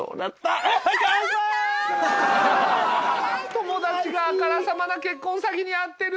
友達があからさまな結婚詐欺に遭ってる。